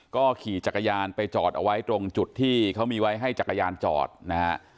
ก็ขี่จักรยานไปจอดเอาไว้ตรงจุดที่เขามีไว้ให้จักรยานจอดนะฮะ